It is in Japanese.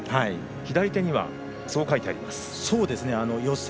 左手には、そう書いてあります。